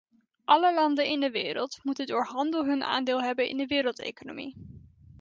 Alle landen in de wereld moeten door handel hun aandeel hebben in de wereldeconomie.